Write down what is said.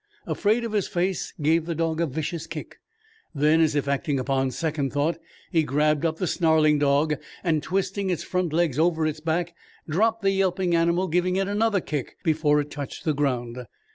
Afraid Of His Face gave the dog a vicious kick, then as if acting upon second thought he grabbed up the snarling dog, and twisting its front legs over on its back, dropped the yelping animal, giving it another kick before it touched the ground.